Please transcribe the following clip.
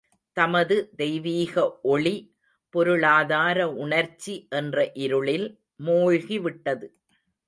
தமது தெய்வீக ஒளி பொருளாதார உணர்ச்சி என்ற இருளில் மூழ்கிவிட்டது.